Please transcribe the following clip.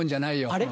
あれ？